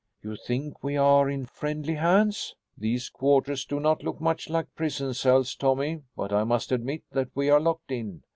"You think we are in friendly hands?" "These quarters do not look much like prison cells, Tommy, but I must admit that we are locked in.